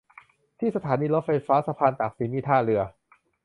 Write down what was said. ที่สถานีรถไฟฟ้าสะพานตากสินมีท่าเรือ